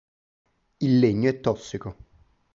Il legno è tossico.